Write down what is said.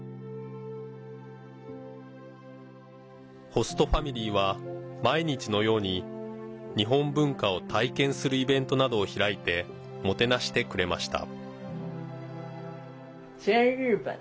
ホストファミリーは毎日のように日本文化を体験するイベントなどを開いてもてなしてくれました。